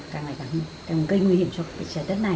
càng gây nguy hiểm cho trái đất này